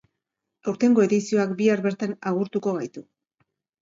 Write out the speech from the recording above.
Aurtengo edizioak bihar bertan agurtuko gaitu.